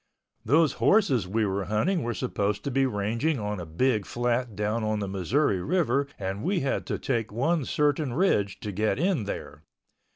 Those horses we were hunting were supposed to be ranging on a big flat down on the Missouri River and we had to take one certain ridge to get in there.